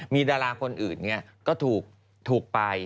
มีดาราคนอื่นก็ถูกไป